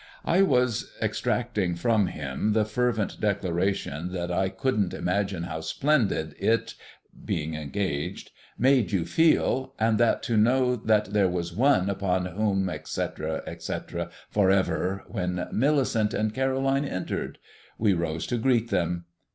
I was extracting from him the fervent declaration that I couldn't imagine how splendid It being engaged made you feel, and that to know that there was One upon whom et cetera et cetera For Ever, when Millicent and Caroline entered. We rose to greet them.